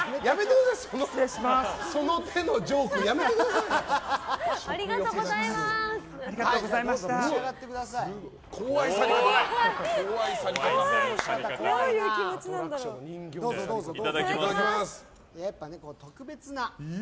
その手のジョークやめてください。